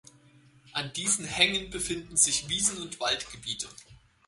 An diesen Hängen befinden sich Wiesen und Waldgebiete.